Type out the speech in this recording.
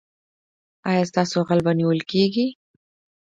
ایا ستاسو غل به نیول کیږي؟